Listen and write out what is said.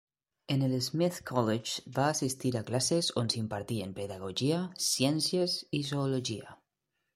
En el Smith College va assistir a classes on s'impartien pedagogia, ciències i zoologia.